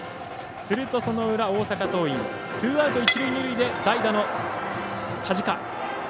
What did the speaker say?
すると、その裏大阪桐蔭ツーアウト、一塁、二塁で代打の田近。